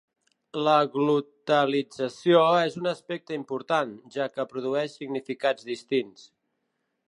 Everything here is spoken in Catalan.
La glotalització és un aspecte important, ja que produeix significats distints.